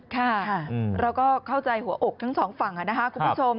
ค่ะเราก็เข้าใจหัวอกทั้งสองฝั่งนะคะคุณผู้ชม